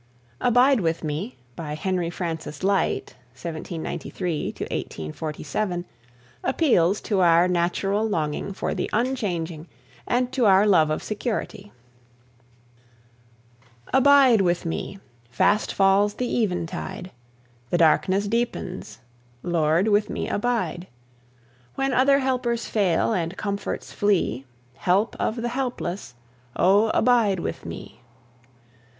"Abide With Me" (Henry Francis Lyte, 1793 1847) appeals to our natural longing for the unchanging and to our love of security. Abide with me! fast falls the eventide; The darkness deepens; Lord, with me abide! When other helpers fail, and comforts flee, Help of the helpless, O abide with me.